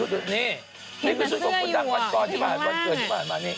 นี่คือชุดของคุณดังวันเกิดที่มามานี่